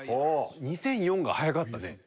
「２００４」が早かったね。